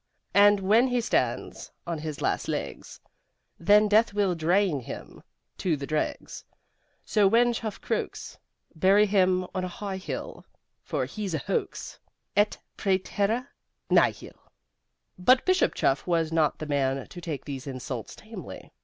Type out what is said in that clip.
And when he stands On his last legs Then Death will drain him To the dregs. So when Chuff croaks Bury him on a high hill For he's a hoax Et praeterea nihil! But Bishop Chuff was not the man to take these insults tamely.